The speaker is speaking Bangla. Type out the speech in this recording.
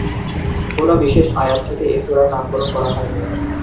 কোন বিশেষ আয়াত থেকে এ সূরার নামকরণ করা হয়নি।